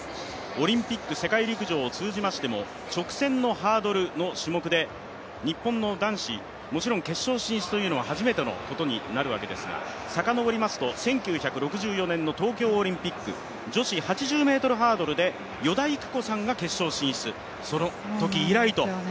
オリンピック世界陸上を通じましても直線のハードルの種目で日本の男子、もちろん決勝進出というのは初めてということになるわけですが遡りますと、１９６４年の東京オリンピック女子８０ｍハードルで依田郁子さんが決勝進出、それ以来の。